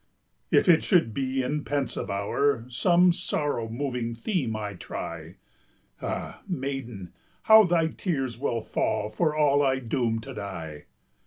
If it should be in pensive hour Some sorrow moving theme I try, Ah, maiden, how thy tears will fall, For all I doom to die!